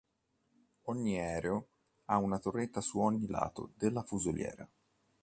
Ogni aereo ha una torretta su ogni lato della fusoliera.